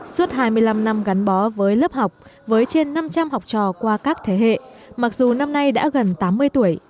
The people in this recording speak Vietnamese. suốt hai mươi năm năm gắn bó với lớp học với trên năm trăm linh học trò qua các thế hệ mặc dù năm nay đã gần tám mươi tuổi